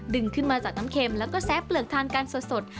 ขึ้นมาจากน้ำเค็มแล้วก็แซะเปลือกทานกันสด